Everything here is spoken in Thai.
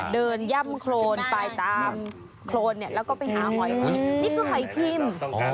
ย่ำโครนไปตามโครนเนี่ยแล้วก็ไปหาหอยหอยนี่คือหอยพิมพ์